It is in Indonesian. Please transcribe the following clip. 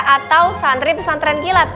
atau santri pesantren kilat